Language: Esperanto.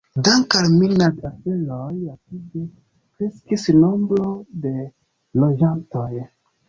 Dank' al minad-aferoj rapide kreskis nombro de loĝantoj.